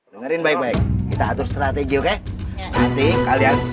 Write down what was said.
dengerin baik baik kita atur strategi oke nanti kalian seribu dua ratus tiga puluh empat